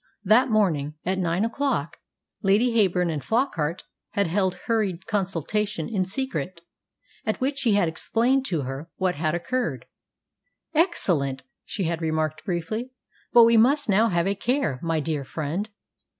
That morning, at nine o'clock, Lady Heyburn and Flockart had held hurried consultation in secret, at which he had explained to her what had occurred. "Excellent!" she had remarked briefly. "But we must now have a care, my dear friend.